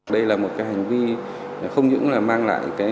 đây là một cái hành vi không những là mang lại